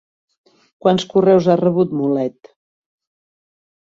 Quants correus ha rebut Mulet?